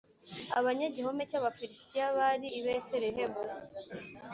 abanyagihome cy Abafilisitiya bari i Betelehemu